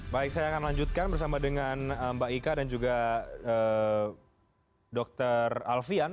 baik saya akan lanjutkan bersama dengan mbak ika dan juga dr alfian